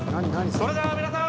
それでは皆さん。